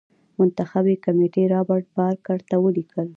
منتخبي کمېټې رابرټ بارکر ته ولیکل.